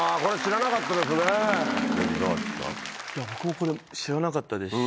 これ、知らなかったですね。